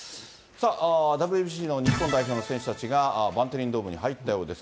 さあ、ＷＢＣの日本代表の選手たちが、バンテリンドームに入ったようです。